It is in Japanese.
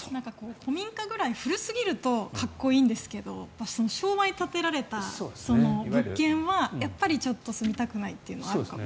古民家ぐらい古すぎるとかっこいいんですけど昭和に建てられた物件はちょっと住みたくないというのはあるかもしれない。